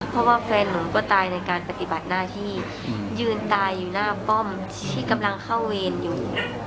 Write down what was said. เพราะว่าแฟนหนูก็ตายในการปฏิบัติหน้าที่ยืนตายอยู่หน้าป้อมที่กำลังเข้าเวรอยู่